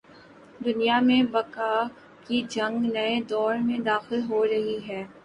دنیا میں بقا کی جنگ نئے دور میں داخل ہو رہی ہے۔